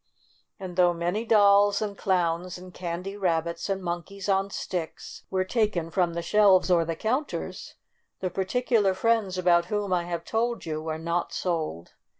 And though many dolls and clowns and candy rabbits and monkeys on sticks were taken from the shelves or the counters, the particular friends about whom I have told you were not sold.